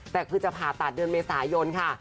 แต่คือจะผ่าตัดเดือนเมษายนค่ะ